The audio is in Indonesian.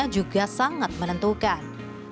juga sangat menentukan